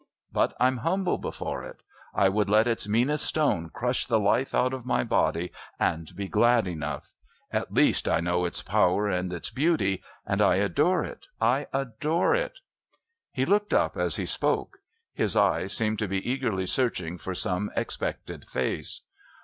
But I'm humble before it. I would let its meanest stone crush the life out of my body, and be glad enough. At least I know its power, its beauty. And I adore it! I adore it!" He looked up as he spoke; his eyes seemed to be eagerly searching for some expected face.